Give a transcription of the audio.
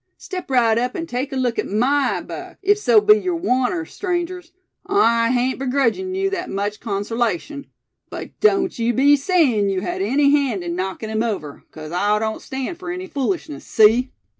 Step right up, an' take a look at my buck, ef so be yeou wanter, strangers; I hain't begrudgin' yeou that much conserlation; but doan't yeou be sayin' yeou had any hand in knockin' him over, 'cause I don't stand fur any foolishness, see?"